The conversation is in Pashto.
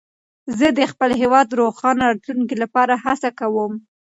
زه د خپل هېواد د روښانه راتلونکي لپاره هڅه کوم.